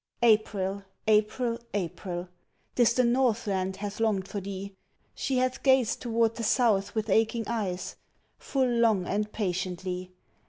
April! April! April! 'Tis the Northland hath longed for thee, She hath gazed toward the South with aching eyes Full long and patiently.